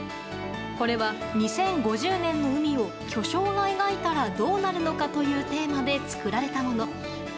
これは２０５０年の海を巨匠が描いたらどうなるのかというテーマで作られたもの。